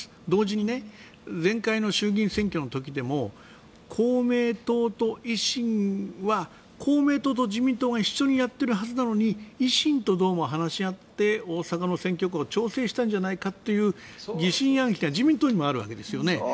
同時に前回の衆議院選挙の時でも公明党と維新は公明党と自民党が一緒にやってるはずなのに維新とどうも話し合って大阪の選挙区を調整したんじゃないかという疑心暗鬼が自民党にもあるわけです。